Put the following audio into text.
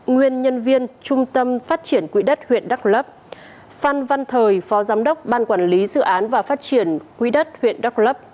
nguyên nhân viên trung tâm phát triển quỹ đất huyện đắk lấp phan văn thời phó giám đốc ban quản lý dự án và phát triển quỹ đất huyện đắk lấp